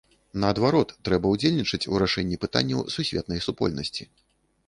Наадварот, трэба ўдзельнічаць у рашэнні пытанняў сусветнай супольнасці.